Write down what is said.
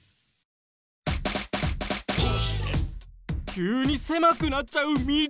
きゅうにせまくなっちゃうみち？